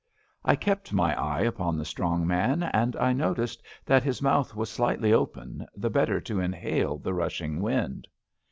I kept my eye upon the strong man, and I noticed that his mouth was slightly open, the better to inhale the rushing wind.